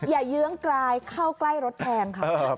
เยื้องกลายเข้าใกล้รถแพงค่ะ